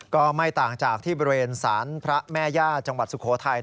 ก็ไม่ต่างจากที่บริเวณศาลพระแม่ย่าจังหวัดสุโขทัย